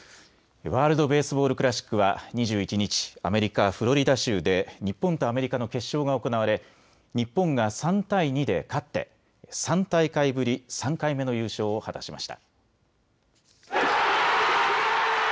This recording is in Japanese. ワールド・ベースボール・クラシックは２１日、アメリカ・フロリダ州で日本とアメリカの決勝が行われ日本が３対２で勝って３大会ぶり３回目の優勝を果たしました。